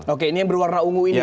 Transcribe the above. oke ini yang berwarna ungu ini ya